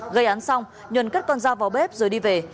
gây án xong nhuần cất con dao vào bếp rồi đi về